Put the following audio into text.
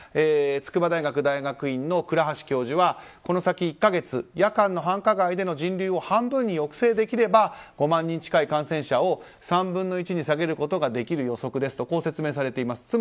筑波大学大学院の倉橋教授はこの先１か月夜間の繁華街での人流を半分に抑制できれば５万人近い感染者を３分の１に下げることができる予測ですと説明されています。